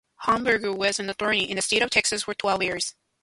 Hornberger was an attorney in the state of Texas for twelve years.